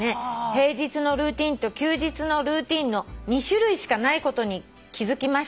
「平日のルーティンと休日のルーティンの２種類しかないことに気付きました」